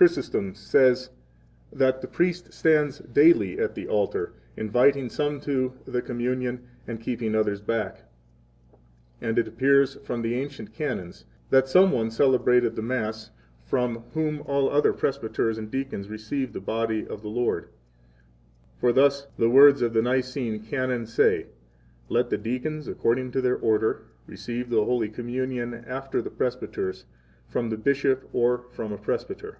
Chrysostom says 36 that the priest stands daily at the altar, inviting some 37 to the Communion and keeping back others. And it appears from the ancient Canons that some one celebrated the Mass from whom all the other presbyters and deacons received the body of he Lord; for thus 38 the words of the Nicene Canon say: Let the deacons, according to their order, receive the Holy Communion after the presbyters, from the bishop or from a presbyter.